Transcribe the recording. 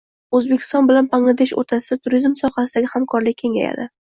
O‘zbekiston bilan Bangladesh o‘rtasida turizm sohasidagi hamkorlik kengayadi